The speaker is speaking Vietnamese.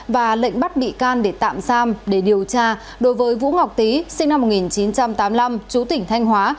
và lệnh bắt bị can để tạm giam để điều tra đối với vũ ngọc tý sinh năm một nghìn chín trăm tám mươi năm chú tỉnh thanh hóa